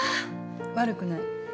悪くない。